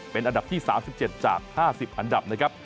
เป็นอันดับที่๓๗จาก๕๐อันดับนะครับ